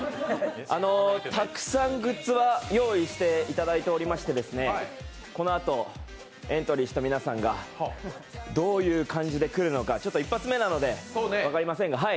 たくさんグッズは用意していただいておりまして、このあと、エントリーした皆さんがどういう感じで来るのかちょっと一発目なので分かりませんが。